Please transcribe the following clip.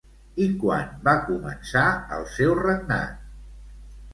I quan va començar el seu regnat?